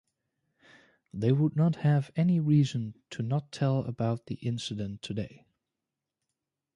They would not have any reason to not tell about the incident today.